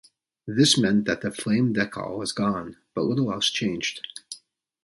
This meant that the flame decal was gone, but little else changed.